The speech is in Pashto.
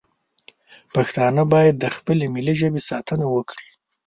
پښتانه باید د خپلې ملي ژبې ساتنه وکړي